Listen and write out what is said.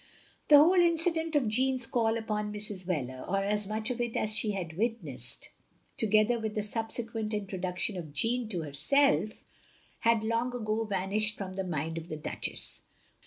" The whole incident of Jeanne's call upon Mrs. Wheler, or as much of it as she had witnessed, together with the subsequent introduction of Jeanne to herself, had long ago vanished from the mind of the Duchess.